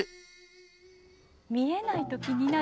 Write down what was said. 見えないと気になる。